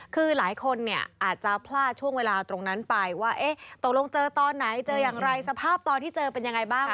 คือหลายคนเนี่ยอาจจะพลาดช่วงเวลาตรงนั้นไปว่าตกลงเจอตอนไหนเจออย่างไรสภาพตอนที่เจอเป็นยังไงบ้าง